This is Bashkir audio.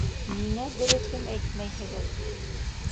Ниңә дөрөҫөн әйтмәйһегеҙ?!